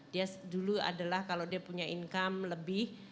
dia dulu adalah kalau dia punya income lebih